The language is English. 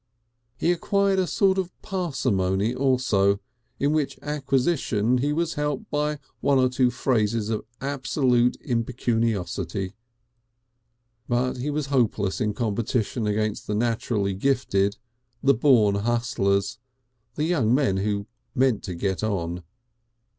He acquired a sort of parsimony also, in which acquisition he was helped by one or two phases of absolute impecuniosity. But he was hopeless in competition against the naturally gifted, the born hustlers, the young men who meant to get on.